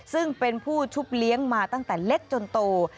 ซึ่งเป็นผู้ชุบเลี้ยงมาตั้งแต่เล็กจนโต